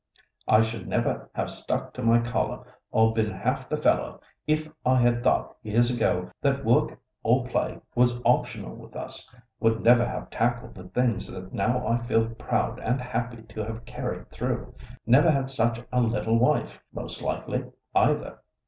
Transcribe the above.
"I should never have stuck to my collar or been half the fellow, if I had thought, years ago, that work or play was optional with us—would never have tackled the things that now I feel proud and happy to have carried through; never had such a little wife, most likely, either.